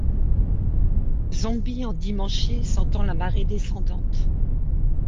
Zombies endimanchés sentant la marée descendante.